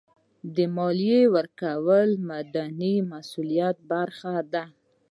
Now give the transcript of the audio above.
د مالیې ورکول د مدني مسؤلیت برخه ده.